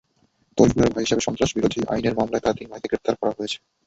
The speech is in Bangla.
তরিকুলের ভাই হিসেবে সন্ত্রাসবিরোধী আইনের মামলায় তাঁর তিন ভাইকে গ্রেপ্তার করা হয়েছে।